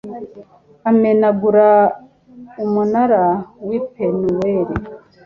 amenagura umunara w'i penuweli